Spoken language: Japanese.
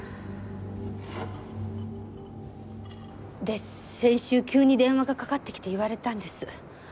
で先週急に電話がかかってきて言われたんです。